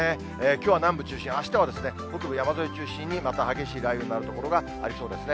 きょうは南部中心、あしたは北部山沿い中心に、また激しい雷雨になる所がありそうですね。